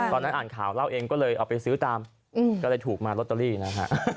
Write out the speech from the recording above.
อ่านข่าวเล่าเองก็เลยเอาไปซื้อตามก็เลยถูกมาลอตเตอรี่นะฮะ